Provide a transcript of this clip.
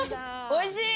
おいしい！